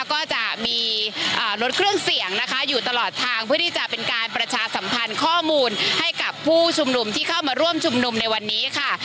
ก็จะมีรถเครื่องเสี่ยงนะคะอยู่ตลอดทางเพื่อที่จะเป็นการประชาสัมพันธ์ข้อมูลให้กับผู้ชุมนุมที่เข้ามาร่วมชุมนุมในวันนี้ค่ะ